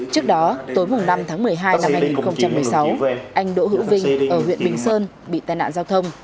trước đó tối năm tháng một mươi hai năm hai nghìn một mươi sáu anh đỗ hữu vinh ở huyện bình sơn bị tai nạn giao thông